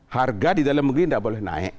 harga di dalam negeri tidak boleh naik